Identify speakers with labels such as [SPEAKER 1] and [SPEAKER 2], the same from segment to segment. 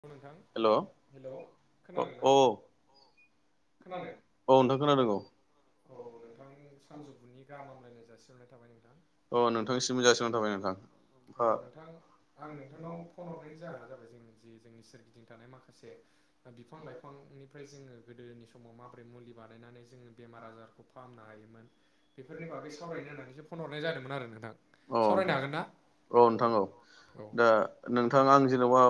[SPEAKER 1] औ नोंथां हेल' खोनादों ना?
[SPEAKER 2] औ नोंथां खोनादों औ।
[SPEAKER 1] औ नोंथां सानजौफुनि गाहाम हामलायनाय जासिहरनाय थाबाय नोंथां।
[SPEAKER 2] अ नोंथांनिसिमबो जासिहरनाय थाबाय नोंथां।
[SPEAKER 1] औ नोंथां आं नोंथांनाव फन हरनायनि जाहोना जाबाय जोंनि जि जोंनि सोरगिदिं थानाय माखासे बा बिफां-लाइफांनिफ्राय जोङो गोदोनि सम समाव माब्रै मुलि बानायनानै जोङो बेमार आजारखौ फाहामनो हायोमोन बेफोरनि बागै सावरायनो होननानैसो फन हरनाय जादोंमोन आरो नोंथां।
[SPEAKER 2] औ औ नोंथां औ दा नोंथां आं जेनबा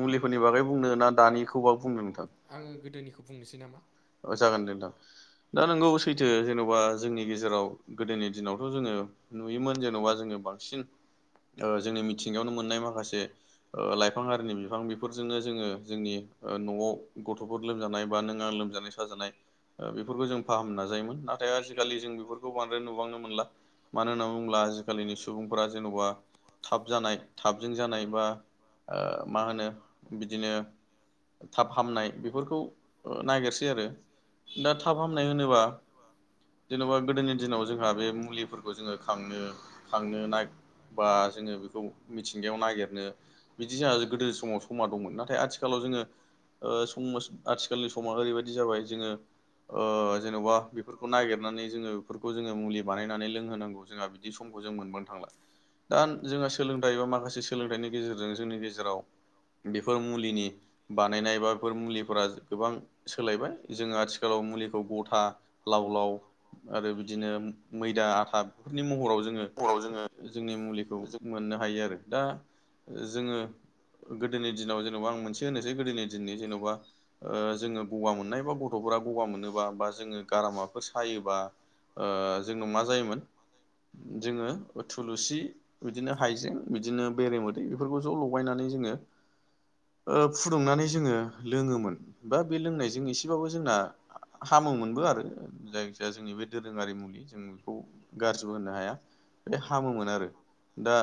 [SPEAKER 2] मुलिफोरनि बागै बुंनो ना दानिखौबा बुंनो नोंथां?
[SPEAKER 1] आङो गोदोनिखौ बुंनोसै नामा?
[SPEAKER 2] ओ जागोन दे नोंथां दा नोंगौ सैथो जेन'बा जोंनि गेजेराव गोदोनि दिनावथ' जोङो नुयोमोन जेनबा जोङो बांसिन ओ जोंनि मिथिंगायावनो मोननाय माखासे ओ लाइफां आरिनि बिफां बेफोरजोंनो जोङो जोंनि ओ न'आव गथ'फोर लोमजानाय बा नों आं लोमजानाय साजानाय ओ बेफोरखौ जों फाहामनो नाजायोमोन नाथाय आजिखालि जों बेफोरखौ बांद्राय नुबांनो मोनला। मानो होनना बुङोब्ला आजिखालिनि सुबुंफोरा जेन'बा थाब जानाय थाबजों जानाय बा ओ मा होनो बिदिनो थाब हामनाय बेफोरखौ नागिर सै आरो दा थाब हामनाय होनोबा जेन'बा गोदोनि दिनाव जोंहा बे मुलिफोरखौ जोङो खांनो खांनो नाय बा जोङो बेखौ मिथिंगायाव नागिरनो बिदि जोंहा गोदोनि समाव समा दंमोन नाथाय आथिखालाव जोङो ओ समाज आथिखालनि समा ओरैबायदि जाबाय जोङो ओ जेन'बा बेफोरखौ नागिरनानै जोङो बेफोरखौ जोङो मुलि बानायनानै लोंहोनांगौ जोंहा बि बि समखौ जों मोनबांनो थांला‌। दा जोंहा सोलोंथाइ बा माखासे सोलोंथाइनि गेजेरजों जोंनि गेजेराव बेफोर मुलिनि बानायनाय बा बेफोर मुलिफोरा गोबां सोलायबाय जोङो आथिखालाव मुलिखौ गथा लाव लाव आरो बिदिनो मैदा आथा बेफोरनि महराव जोङो जोंनि मुलिखौ मोननो हायो आरो दा जोङो गोदोनि दिनाव जेन'बा आं मोनसे होनोसै गोदोनि दिननि जेन'बा ओ जोङो गगा मोननाय बा गथ'फोरा गगा मोनोबा बा जोङो गारामाफोर सायोबा ओ जोङो मा जायोमोन जोङो ओ थुलुसि बिदिनो हाइजें बिदिनो बेरेमोदै बेफोरखौ ज' लगायनानै जोङो ओ फुदुंनानै जोङो लोङोमोन बा बे लोंनायजों एसेबाबो जोंना हामो मोनबो आरो जायखिया जोंनि बे दोरोङारि मुलि जों बेखौ गाज्रिबो होननो हाया बे हामोमोन आरो दा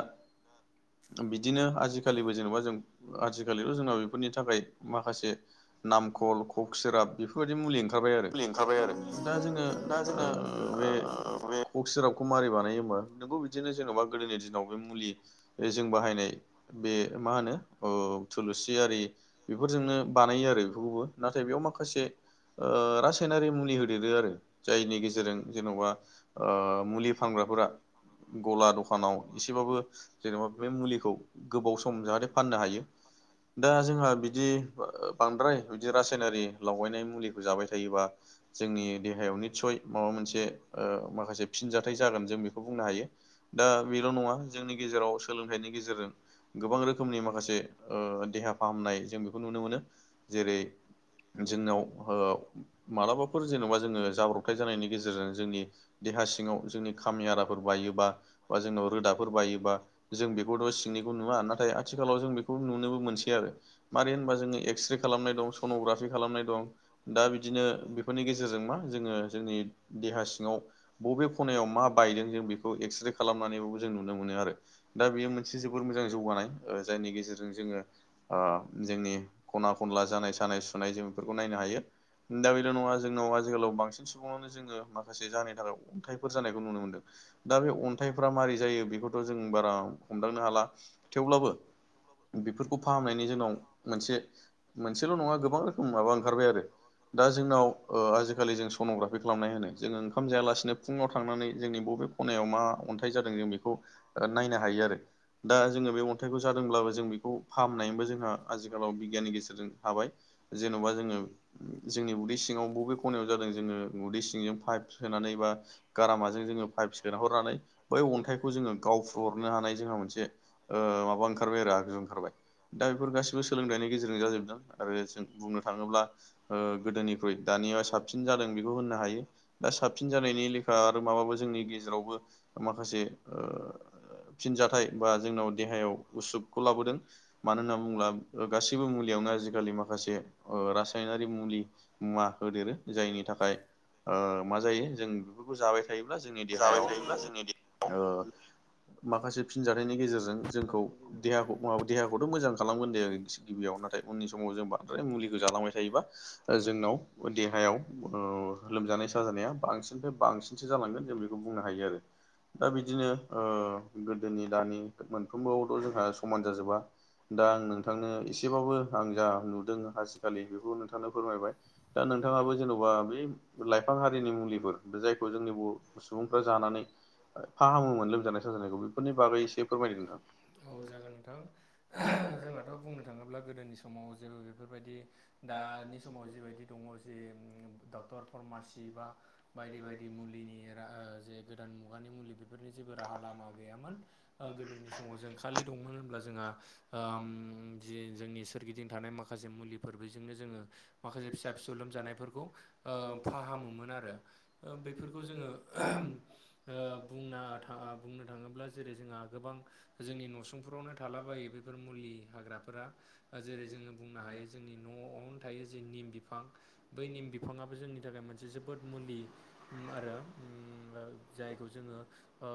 [SPEAKER 2] बिदिनो आजिखालिबो जेनेबा जों आजिखालिथ' जोंना बेफोरनि थाखाय माखासे गल कक सेराब बेफोरबायदि मुलि ओंखारबाय आरो। दा जोङो ओ बे कक सेराबखौ मारै बानायोमोन नोंगौ बिदिनो जेनेबा गोदोनि दिनाव बे मुलि जों बाहायनाय बे मा होनो अ थुलुसि आरि बेफोरजोंनो बानायो आरो बेफोरखौबो। नाथाय बेयाव माखासे ओ रासायनारि मुलि होदेरो आरो जायनि गेजेरजों जेन'बा ओ मुलि फानग्राफोरा गला दखानाव एसेबाबो जेनेबा बे मुलिखौ गोबाव सम जाहाथे फाननो हायो। दा जोंहा बिदि बांद्राय बिदि रासायनारि लावगायनाय मुलिखौ जाबाय थायोबा जोंनि देहायाव नित्सय माबा मोनसे ओ माखासे फिनजाथाइ जागोन जों बेखौ बुंनो हायो। दा बेल' नङा जोंनि गेजेराव सोलोंथाइनि गेजेरजों गोबां रोखोमनि माखासे देहा फाहामनाय जों बेखौ नुनो मोनो जेरै जोंनाव ओ मालाबाफोर जेन'बा जोङो जाब्रबथाय जानायनि गेजेरजों जोंनि देहा सिङाव जोंनि खामि हाराफोर बायोबा बा जोंनाव रोदाफोर बायोबा जों बेखौथ' सिंनिखौ नुवा नाथाय आथिखालाव जों बेखौ नुनोबो मोनसै आरो। मारै होनबा जोङो एक्सरे खालामनाय दं सनग्राफि खालामनाय दं। दा बिदिनो बेफोरनि गेजेरजों मा जोङो जोंनि देहा सिङाव बबे खनायाव मा बायदों जों बेखौ एक्सरे खालामनानैबाबो जों नुनो मोनो आरो। दा बेयो मोनसे जोबोर मोजां जौगानाय ओ जायनि गेजेरजों जोङो। आ जोंनि खना खनला जानाय सानाय सुनाय जों बेफोरखौ नायनो हायो। दा बेल' नङा जोंनाव आथिखालाव बांसिन सुबुंङावनो जोङो माखासे जाहोननि थाखाय अन्थाइफोर जानायखौ नुनो मोनदों। दा बे अन्थाइफ्रा माबारै जायो बेखौथ' जों बारा हमदांनो हाला थेवब्लाबो बेफोरखौ फाहामनायनि जोंनाव मोनसे मोनसेल' नङा गोबां रोखोम माबा ओंखारबाय आरो। दा जोंनाव ओ आजिखालि जों सनग्राफि खालामनाय होनो जोङो ओंखाम जायालासिनो फुङाव थांनानै जोंनि बबे खनायाव मा अन्थाइ जादों जों बेखौ नायनो हायो आरो दा जोङो बे अन्थाइखौ जादोंब्लाबो जों बेखौ फाहामनायबो जोंहा आथिखालाव बिगियाननि गेजेरजों हाबाय जेनबा जोङो जोंनि उदै सिङाव बबे खनायाव जादों जोङो उदै सिंजों पाइप सोनानै बा गारामाजों जोङो पाइप सोनाहरनानै बै अन्थाइखौ जोङो गावफ्रुहरनो हानाय जोंहा मोनसे ओ माबा ओंखारबाय आरो आगजु ओंखारबाय दा बेफोर गासिबो सोलोंथाइनि गेजेरजों जाजोबदों आ आरो जों बुंनो थाङोब्ला ओ गोदोनिख्रुइ दानिया साबसिन जादों बेखौ होननो हायो दा साबसिन जानायनि लेखा आरो माबाबो जोंनि गेजेरावबो माखासे ओ ओ फिनजाथाय बा जोंनाव देहायाव उसुखखौ लाबोदों मानो होनना बुङोब्ला गासैबो मुलियावनो आजि खालि माखासे रासायनारि मुलि मुवा होदेरो जायनि थाखाय मा जायो जों बेफोरखौ जाबाय थायोब्ला जोंनि देहायाव ओ माखासे फिनजानायनि गेजेरजों जोंखौ देहाखौ बा देहाखौ बेखौथ मोजां खालामगोन दे गिबियाव नाथाय उन समाव जों बांद्राय मुलिखौ जालांबाय थायोबा जोंनाव देहायाव ओ लोमजानाय साजानाया बांसिननिफ्राय बांसिन सो जालांगोन जों बेखौ बुंनो हायो आरो। दा बिदिनो ओ गोदोनि दानि मोनफ्रोमबो आवथ' समान जाजोबा दा आं नोंथांनो एसेबाबो आं जा नुदों आजिखालि बेखौ नोंथांनो फोरमायबाय दा नोंथाङाबो जेन'बा बै लाइफां हारिनि मुलिफोर बे जायखौ जोंनि बर सुबुंफ्रा जानानै फाहामोमोन लोमजानाय साजानायखौ बेफोरनि बागै एसे फोरमायदों नोंथां
[SPEAKER 1] औ जागोन नोंथां जोंहाथ' बुंनो थाङोब्ला गोदोनि समाव जेबो बेफोरबायदि दानि समाव जिबायदि दङ जे डक्टर फार्मासि बा बायदि बायदि मुलिनि रा जे गोदान मुगानि मुलि बेफोरनि जेबो राहा लामा गैयामोन ओ गोदोनि समाव जों खालि दंमोन होनब्ला जोंहा ओम जि जोंनि सोरगिदिं थानाय माखासे मुलिफोरबो बिदोनो जोङो माखासे फिसा फिसौ लोमजानायफोरखौ फाहामोमोन आरो ओ बेफोरखौ जोङो ओ बुंना था-बुंनो थाङोब्ला जेरै जोंहा गोबां जोंनि न'सुंफोरावनो थालाबायो बेफोर मुलि हाग्राफोरा जेरै जोङो बुंनो हायो जे जोंनि न'आवनो थायो जे निम बिफां बै निम बिफाङबो जोंनि थाखाय मोनसे जोबोद मुलि होम आरो जायखौ जोङो ओ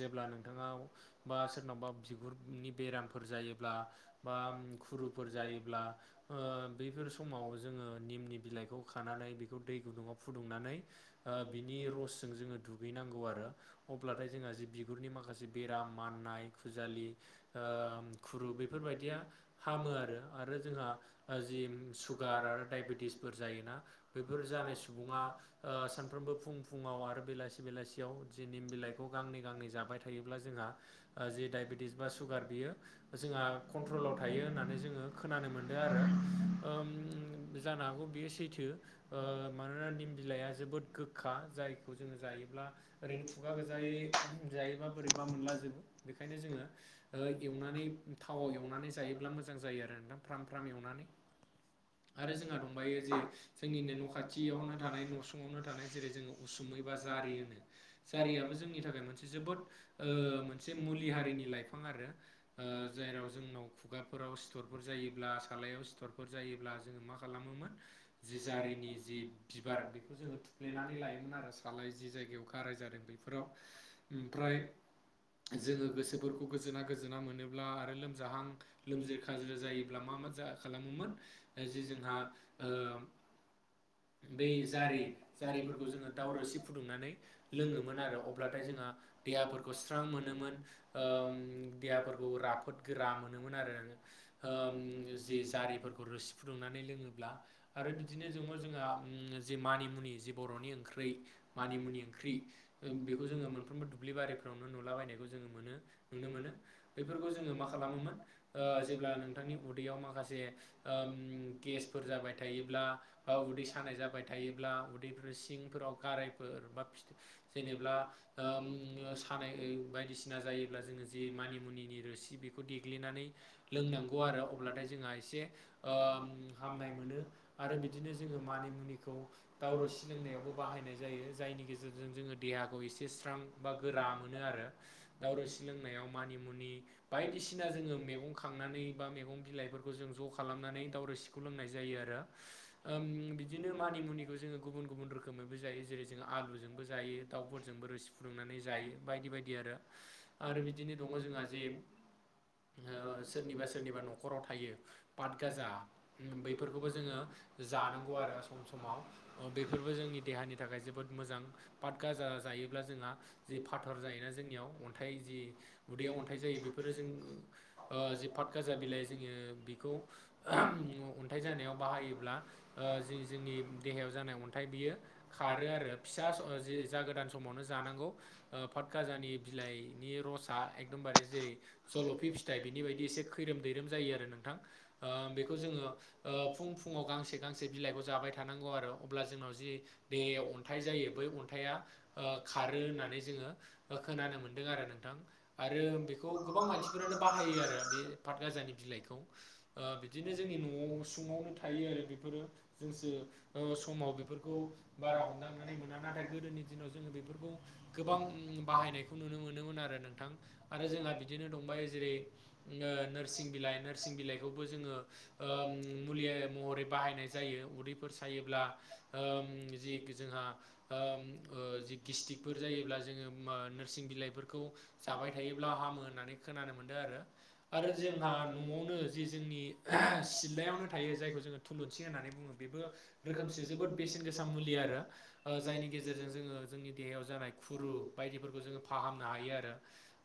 [SPEAKER 1] जेब्ला नोंथाङाव बा सोरनावबा बिगुरनि बेरामफोर जायोब्ला बा खुरुफोर जायोब्ला ओ बैफोर समाव जोङो निमनि बिलाइखौ खानानै बेखौ दै गुदुङाव फुदुंनानै ओ बिनि रसजों जोङो दुगैनांगौ आरो अब्लाथाय जोंहा जि बिगुरनि माखासे बेराम माननाय खुजालि ओ खुरु बेफोरबायदिया हामो आरो आरो जोंहा जि सु सुगार आरो दायबटिसफोर जायोना बैफोर जानाय सुबुंआ ओ सामफ्रामबो फुं फुङाव आरो बेलासि बेलासियाव जि निम बिलाइखौ गांनै गांनै जाबाय थायोब्ला जोंहा जि दायबेटिस बा सुगार बियो जोंहा कन्ट्रलाव थायो होननानै जोङो खोनानो मोनदों आरो ओम जानो हागौ बियो सैथो ओ मानोना निम बिलाइआ जोबोद गोखा जायखौ जोङो जायोब्ला ओरैनो खुगा गोजायै जायोबा बोरैबा मोनला जोब बेखायनो जोङो ओ एवनानै थावाव एवनानै जायोब्ला मोजां जायो आरो नोंथां फ्राम फ्राम एवनानै आरो जोंहा दंबायो जे जोंनिनो न' खाथियावनो थानाय न'सुङावनो थानाय जेरै जोङो उसुमै बा जारि होनो जारियाबो जोंनि थाखाय मोनसे जोबोद ओ मोनसे मोनसे मुलि हारिनि लाइफां आरो ओ जेराव जोंनाव खुगाफोराव सिथर बुर जायोब्ला सालायाव सिथरफोर जायोब्ला जोङो मा खालामोमोन जि जारिनि जि बिबार बेखौ जोङो थु सिफ्लेनानै लायोमोन आरो सालाय जि जायगायाव गाराय जादों बेफोराव, ओमफ्राय जोङो गोसोफोरखौ गोजोना गोजोना मोनोब्ला आरो लोमजाहां लोमजि खाजिर जायोब्ला मा मा जा खालामोमोन ओ जे जोंहा ओ बै जारि जारिफोरखौ जोङो दावरोसि फुदुंनानै लोङोमोन आरो अब्लाथाय जोंहा देहाफोरखौ स्रां मोनो मोन ओ देहाफोरखौ राफोद गोरा मोनोमोन आरो ओम जि जारिफोरखौ रुसि फुदुंनानै लोङोब्ला आरो बिदिनो जोंङो जोंहा ओम जे मानिमुनि जे बर'नि ओंख्रै मानिमुनि ओंख्रि ओम बेखौ जोङो मोनफ्रोमबो दुब्लि बारिफ्रावनो नुलाबायदों खौ जोङो मोनो नुनो मोनो बेफोरखौ जोंओ मा खालामो मोन ओ जेब्ला नों नोंथांनि उदैयाव माखासे ओम गेसफोर जाबाय थायोब्ला बा उदै सानाय जाबाय थायोब्ला उदैफोर सिंफोराव गारायफोर बा फिथ जेनेब्ला ओम सानाय बायदिसिना जायोब्ला जोङो जे मानिमुनिनि रोसि बेखौ देग्लिनानै लोंनांगौ आरो अब्लाथाय जोंहा एसे ओम हामनाय मोनो आरो बिदिनो जोंङो मानि मुनिखौ दाउ रोसि सोलोंनायावबो बाहायनाय जायो जायनि गेजेरजों जोङो देहाखौ एसे स्रां बा गोरा मोनो आरो दाउ रोसि लोंनायाव मानि मुनि बायदिसिना जोङो मेगं खांनानै बा मेगं बिलाइफोरखौ जों ज' खा खालामनानै दाउ रोसिखौ लोंनाय जायो आरो ओम बिदिनो मानिमुनिखौ जोङो गुबुन गुबुन रोखोम रोखोमैबो जायो जेरै जों आलुजोंबो जायो दाउफोरजोंबो रोसि फुदुंनानै जायो बायदि बायदि आरो आरो बिदिनो दङ जोंहा जे ओ सोरनिबा सोरनिबा न'खराव थायो फाथगाजा उम बैफोरखौबो जोङो जानांगौ आरो सम समाव ओ बेफोरबो जोंनि देहानि थाखाय जोबोद मोजां पाट गाजा जायोब्ला जोंहा जि फाथर जायोना जोंहा जोंनियाव अन्थाइ जि उदैयाव अन्थाइ जायो बेफोरो जों ओ जि पात गाजा बिलाइ जोङो खौ अन्थाइ जानायाव बाहायोब्ला ओ जि जोंनि देहायाव जानाय अन्थाइ बियो खारो आरो फिसा जि जागोदान समावनो जानांगौ ओ फाथ गाजानि बिलाइनि रसआ एकदमबारे जेरै जल'फि फिथाइ बिनि बायदि एसे खैरोम दैैरोम जायो आरो नों ओं बेखौ जोङो ओ फुं फुंङाव गांसे गांसे बिलाइखौ जाबाय थानांगौ आरो अब्ला जोंनाव जि देहायाव अन्थाइ जायो बै अन्थाइया ओ खारो होननानै जोङो ओ खोनानो मोन्दों आरो नोंथां आरो बेखौ गोबां मानसिफोरानो बाहायो आरो बे फाटगाजानि बि बिलाइखौ ओ बिदिनो जोंनि न'आव उसुंआवनो थायो आरो बेफोरो जोंसो समाव बेफोरखौ बारा हमदांनानै मोना नाथाय गोदोनि दिनाव जोङो बेफोरखौ गोबां ओम बाहायनायखौ नुनो मोनोमोन आरो नोंथां आरो जोंहा बिदिनो दंबायो जेरै ओ नोरसिं बिलाइ नोरसिं सिं बिलाइखौबो जोङो ओम मुलि महरै बाहायनाय जायो उदैफोर सायोब्ला ओम जि जोंहा ओम ओ जि गिस्टिकफोर जायोब्ला जोङो ओ नोरसिं बिलाइफोरखौ जाबाय थायोब्ला हामो होननानै खोनानो मोनदों आरो आरो जोंहा न न'आवनो जि जोंनि सिथ्लायावनो थायो जायखौ जोङो थुलुंसि होननानै बुङो बेबो रोखोमसे जोबोद बेसेन गोसा मुलि आरो, ओ जायनि गेजेरजों जोङो जोंनि देहायाव जानाय खुरु बायदिफोरखौ जोङो फाहामनो हायो आरो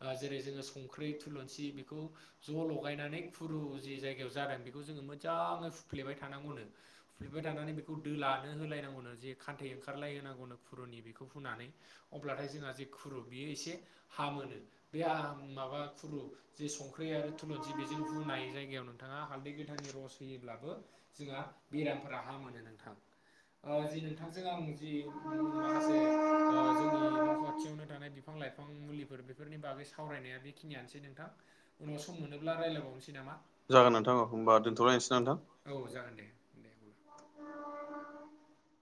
[SPEAKER 1] ओ जेरै-जोंङो संख्रि थुलुुंसि बेखौ ज लगायनानै फुरु जि जायगायाव जादों बेखौ जोङो मोजाङै फुफ्लेबाय थानांगौनो फुफ्लेबाय थानानै बेखौ दोलानो होलायनांगौनो जे खान्थै ओंखारलाय होनांगौनो खुरुनि बेखौ फुनानै अब्लाथाय जोंहा जे खुरु बियो एसे हामोनो बे माबा खुरु जेसंख्रि आरो थुलुंसि बे जों हुनाय जायगायाव नोंथाङा हालदै गोथांनि रस होयोब्लाबो जोंहा बेरामफोरा हामोनो नोंथां। ओ जि नोंथांजों आं जि उम माखासे ओ जोंनि न' खाथियावनो थानाय बिफां- लाइफां मुलिफोर बेफोरनि बागै सावरायनाया बेखिनियानोसै नोंथां। उनाव सम मोनोब्ला
[SPEAKER 2] जागोन नोंथां औ होमबा दोनथ'लायनोसैना नोंथां।
[SPEAKER 1] औ जागोन दे दे।